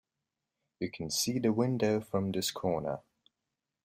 You can see the window from this corner.